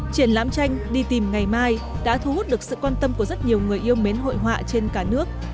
triển lãm tranh đi tìm ngày mai đã thu hút được sự quan tâm của rất nhiều người yêu mến hội họa trên cả nước